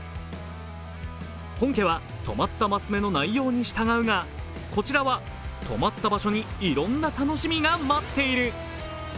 本家は止まった升目の内容に従うがこちらは止まった場所にいろいろな楽しみが待っている。